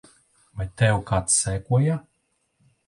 Vai tev kāds sekoja?